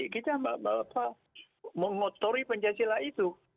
jadi kita memotori pancasila itu